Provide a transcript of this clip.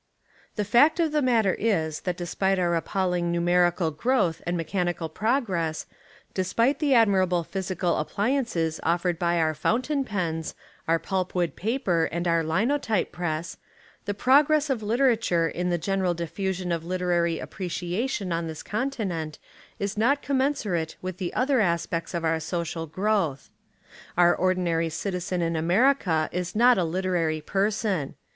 The fact of the matter is that despite our appalling numerical growth and mechanical progress, despite the admirable physical ap pliances offered by our fountain pens, our pulp wood paper, and our linotype press, the prog ress of literature and the general diffusion of literary appreciation on this continent is not commensurate with the other aspects of our social growth. Our ordinary citizen in Ameri ca is not a literary person.